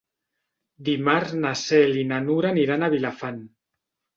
Dimarts na Cel i na Nura aniran a Vilafant.